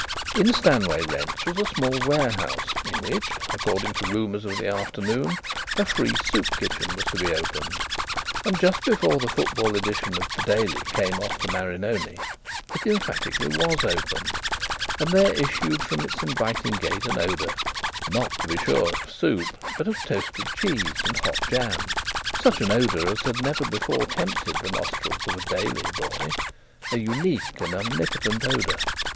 In Stanway Rents was a small warehouse in which, according to rumours of the afternoon, a free soup kitchen was to be opened. And just before the football edition of the Daily came off the Marinoni, it emphatically was opened, and there issued from its inviting gate an odour not, to be sure, of soup, but of toasted cheese and hot jam such an odour as had never before tempted the nostrils of a Daily boy; a unique and omnipotent odour.